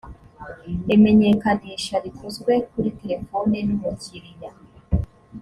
imenyekanisha rikozwe kuri telefoni n umukiriya